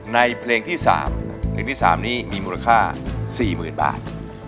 ในเพลงที่๓เพลงที่๓นี้มีมูลค่า๔๐๐๐บาท